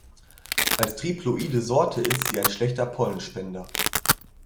Als triploide Sorte ist sie ein schlechter Pollenspender.